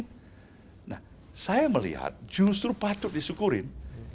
nah saya melihat justru patut disyukurin